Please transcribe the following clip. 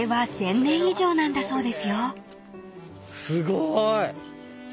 すごい。